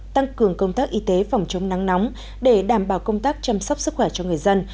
tăng cường công tác y tế phòng chống nắng nóng để đảm bảo công tác chăm sóc sức khỏe cho người dân